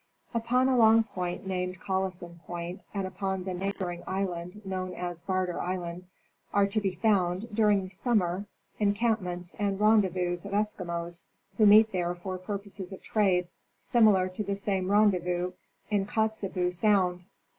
Upon along point named Collinson point, and upon the neighbor ing island known as Barter island, are to be found, during the summer, encampments and rendezvous of Eskimos, who meet there for purposes of trade, similar to the same rendezvous in Kotzebue sound.